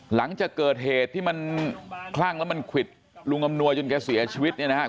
หลังจากเกิดเหตุที่มันคลั่งแล้วมันควิดลุงอำนวยจนแกเสียชีวิตเนี่ยนะครับ